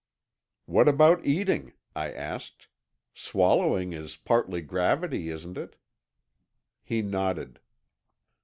"What about eating?" I asked. "Swallowing is partly gravity, isn't it?" He nodded.